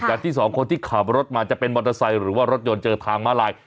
ที่สองคนที่ขับรถมาจะเป็นมอเตอร์ไซค์หรือว่ารถยนต์เจอทางมาลาย